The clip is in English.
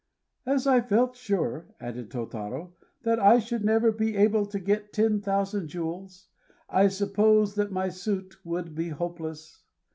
"As I felt sure," added Tôtarô, "that I should never be able to get ten thousand jewels, I supposed that my suit would be hopeless.